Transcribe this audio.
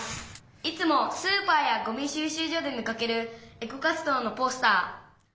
「いつもスーパーやゴミしゅう集所で見かけるエコ活動のポスター」。